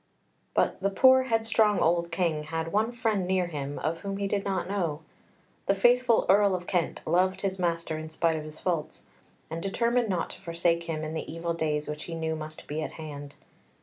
But the poor, headstrong old King had one friend near him of whom he did not know. The faithful Earl of Kent loved his master in spite of his faults, and determined not to forsake him in the evil days which he knew must be at hand.